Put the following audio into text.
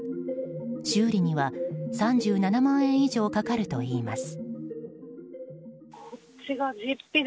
修理には３７万円以上かかるといいます。